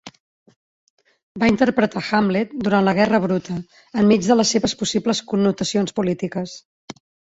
Va interpretar Hamlet durant la guerra bruta, enmig de les seves possibles connotacions polítiques.